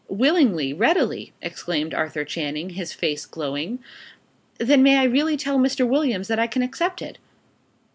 "Willingly readily!" exclaimed Arthur Channing, his face glowing. "Then may I really tell Mr. Williams that I can accept it?"